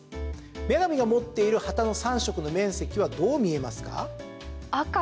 女神が持っている旗の３色の面積はどう見えますか？